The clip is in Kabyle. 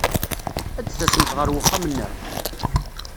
Ad tasemt ɣer wexxam-nneɣ?